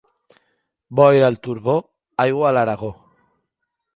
Boira al Turbó, aigua a l'Aragó.